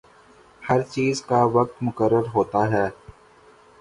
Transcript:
ہر چیز کا وقت مقرر ہوتا ہے۔